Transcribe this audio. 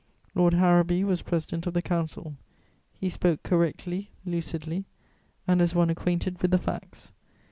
Lord Harrowby was President of the Council; he spoke correctly, lucidly, and as one acquainted with the facts.